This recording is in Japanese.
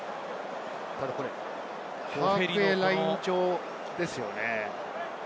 ただハーフウェイライン上ですよね。